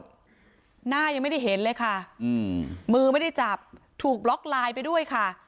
หน้ายังไม่ได้เห็นเลยค่ะอืมมือไม่ได้จับถูกบล็อกไลน์ไปด้วยค่ะ